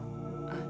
dia panggil gua akang